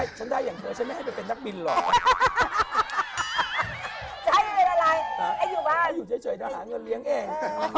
ไอ้อยู่เฉยถ้าหาเงินเลี้ยงเอง